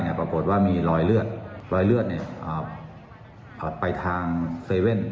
เนี่ยปรากฏว่ามีรอยเลือดรอยเลือดเนี่ยอ่าผลัดไปทางเซเว่น